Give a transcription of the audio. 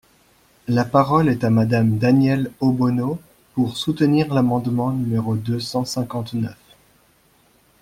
La parole est à Madame Danièle Obono, pour soutenir l’amendement numéro deux cent cinquante-neuf.